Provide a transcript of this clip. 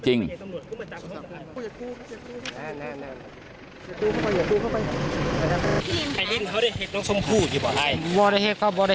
หรือถึงต้องทำแต่สิอ่ะ